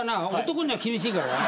男には厳しいからな。